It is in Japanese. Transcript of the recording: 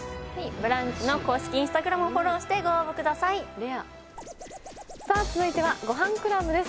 ブランチの公式Ｉｎｓｔａｇｒａｍをフォローしてご応募くださいさあ続いてはごはんクラブです